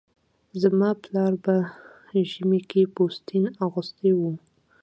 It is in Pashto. زما پلاره به ژمي کې پوستين اغوستی و